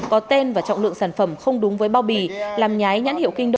có tên và trọng lượng sản phẩm không đúng với bao bì làm nhái nhãn hiệu kinh đồng